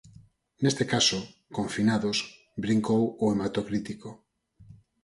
Neste caso, confinados, brincou o Hematocrítico.